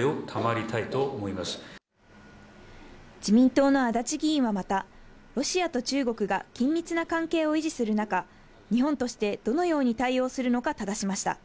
自民党の阿達議員はまた、ロシアと中国が緊密な関係を維持する中、日本としてどのように対応するのかただしました。